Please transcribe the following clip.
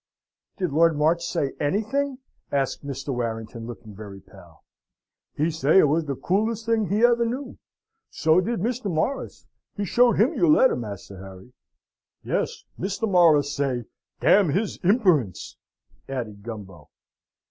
"Did Lord March say anything?" asked Mr. Warrington looking very pale. "He say it was the coolest thing he ever knew. So did Mr. Morris. He showed him your letter, Master Harry. Yes, Mr. Morris say, 'Dam his imperence!'" added Gumbo.